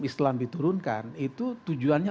islam diturunkan itu tujuannya